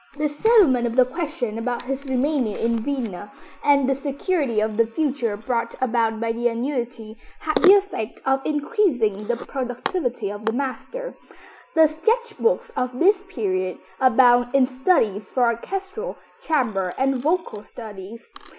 The settlement of the question about his remaining in Vienna, and the security of the future brought about by the annuity, had the effect of increasing the productivity of the master. The sketch books of this period abound in studies for orchestral, chamber and vocal studies.